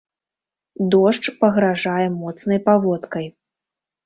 Дождж пагражае моцнай паводкай.